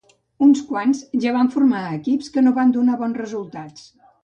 Uns quants ja van formar equips que no van donar bons resultats.